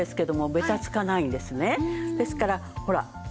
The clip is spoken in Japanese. ですからほら。